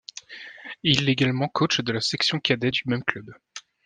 Il également coach de la section cadet du même club.